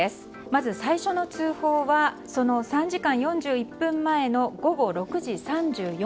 まず最初の通報はその３時間４１分前の午後６時３４ふん。